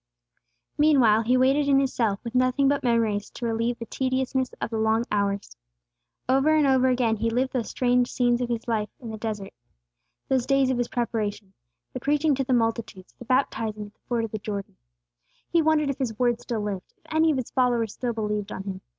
Meanwhile he waited in his cell, with nothing but memories to relieve the tediousness of the long hours. Over and over again he lived those scenes of his strange life in the desert, those days of his preparation, the preaching to the multitudes, the baptizing at the ford of the Jordan. He wondered if his words still lived; if any of his followers still believed on him.